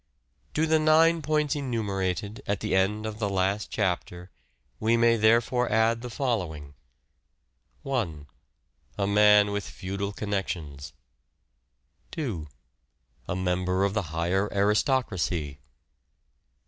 To the nine points enumerated at the end of the last Summary, chapter we may therefore add the following :— 1. A man with Feudal connections. 2. A member of the higher aristocracy.